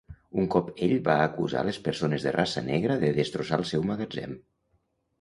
Un cop ell va acusar les persones de raça negra de destrossar el seu magatzem.